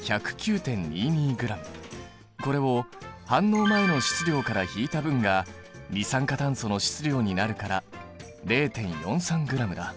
これを反応前の質量から引いた分が二酸化炭素の質量になるから０．４３ｇだ。